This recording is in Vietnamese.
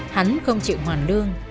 hắn không chịu hoàn lương